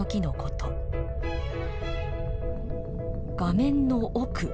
画面の奥。